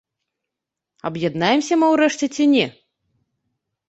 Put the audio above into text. Аб'яднаемся мы ў рэшце ці не?